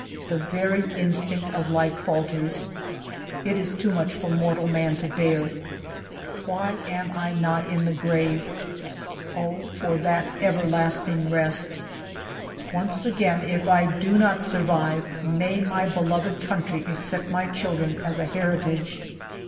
The very instinct of life falters. It is too much for mortal man to bear. Why am I not in the grave ? Oh, for that everlasting rest ! Once again, if I do not survive, may my be loved country accept my children as a heritage